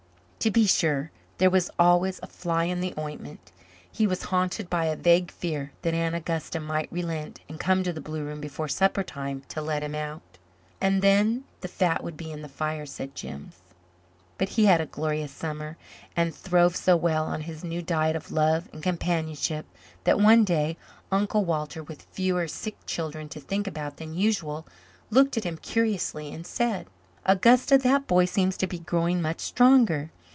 To be sure there was always a fly in the ointment. He was haunted by a vague fear that Aunt Augusta might relent and come to the blue room before supper time to let him out. "And then the fat would be in the fire," said Jims. But he had a glorious summer and throve so well on his new diet of love and companionship that one day Uncle Walter, with fewer sick children to think about than usual, looked at him curiously and said: "Augusta, that boy seems to be growing much stronger.